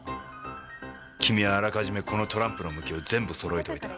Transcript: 君はあらかじめこのトランプの向きを全部揃えておいた。